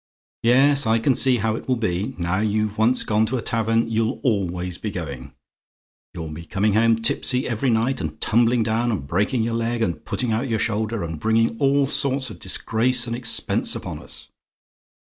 "Yes, I see how it will be. Now you've once gone to a tavern, you'll always be going. You'll be coming home tipsy every night; and tumbling down and breaking your leg, and putting out your shoulder; and bringing all sorts of disgrace and expense upon us.